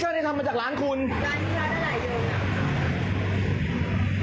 ร้านนี้ร้านพัดอลัยยนต์อ่ะ